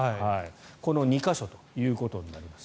この２か所ということになります。